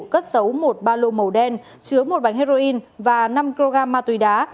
cất giấu một ba lô màu đen chứa một bánh heroin và năm kg ma túy đá